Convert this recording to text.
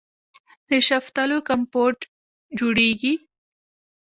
د شفتالو کمپوټ جوړیږي.